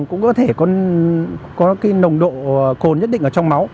cũng có thể có cái nồng độ cồn nhất định ở trong máu